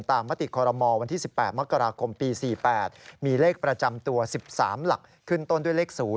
มติคอรมอลวันที่๑๘มกราคมปี๔๘มีเลขประจำตัว๑๓หลักขึ้นต้นด้วยเลข๐